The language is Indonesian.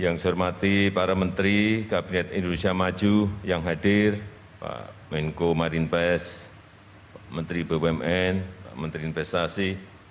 yang saya hormati para menteri kabinet indonesia maju yang hadir pak menko marinbas menteri bumn pak menteri investasi